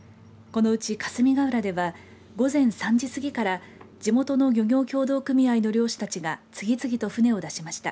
このうち霞ヶ浦では午前３時過ぎから地元の漁業協同組合の漁師たちが次々と船を出しました。